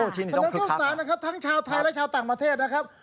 ถนนเข้าสรรค์นะครับทั้งชาวไทยและชาวต่างประเทศนะครับ